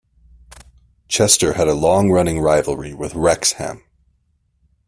Chester had a long-running rivalry with Wrexham.